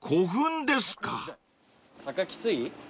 坂きつい？